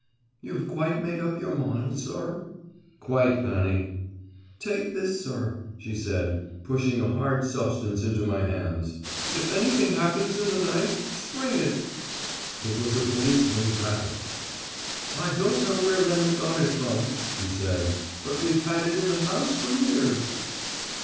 "You've quite made up your mind, sir?" "Quite, Fanny." "Take this, sir," she said, pushing a hard substance into my hands. "If anything happens in the night, spring it." It was a policeman's rattle. "I don't know where Lemon got it from," she said, "but we've had it in the house for years."